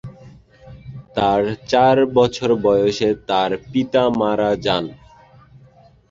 তার চার বছর বয়সে তার পিতা মারা যান।